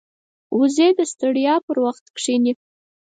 وزې د ستړیا پر وخت کښیني